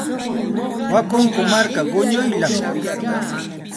Wakunku marka quñullami.